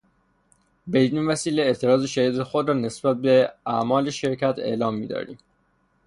بدینوسیله اعتراض شدید خود را نسبت به اعمال شرکت اعلام میداریم.